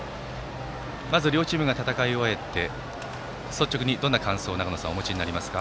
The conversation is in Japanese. まず両チームが戦い終えて率直にどんな感想を長野さん、お持ちになりますか？